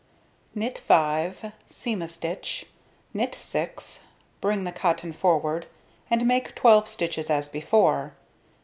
Knit 5, seam a stitch, knit 6, bring the cotton forward, and make 12 stitches as before.